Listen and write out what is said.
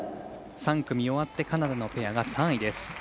３組終わってカナダのペアが３位です。